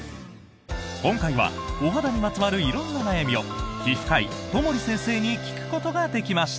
今回はお肌にまつわる色んな悩みを皮膚科医、友利先生に聞くことができました。